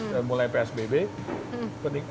dan mulai psbb